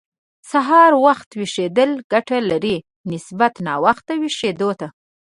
سهار وخته ويښېدل ګټه لري، نسبت ناوخته ويښېدو ته.